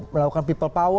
melakukan people power